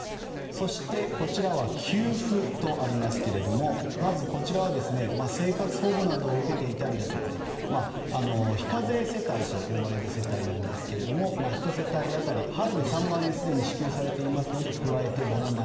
そしてこちらは給付とありますがまず生活保護などを受けていたり非課税世帯と呼ばれる世帯ですが１世帯当たり春に３万円当たり支給されていますので加えて７万